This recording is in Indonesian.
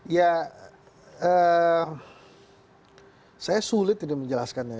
ya saya sulit menjelaskannya